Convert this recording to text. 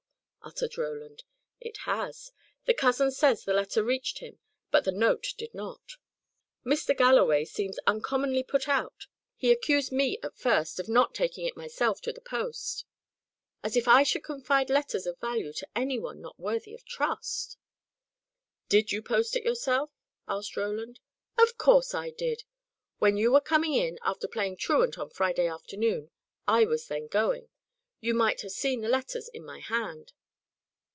uttered Roland. "It has. The cousin says the letter reached him, but the note did not. Mr. Galloway seems uncommonly put out. He accused me, at first, of not taking it myself to the post. As if I should confide letters of value to any one not worthy of trust!" "Did you post it yourself?" asked Roland. "Of course I did. When you were coming in, after playing truant on Friday afternoon, I was then going. You might have seen the letters in my hand."